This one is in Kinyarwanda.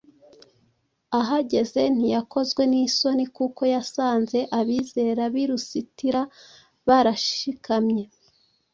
Ahageze ntiyakozwe n’isoni kuko yasanze abizera b’i Lusitira barashikamye